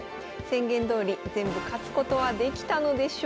宣言どおり全部勝つことはできたのでしょうか？